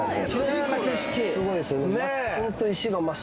すごいですよね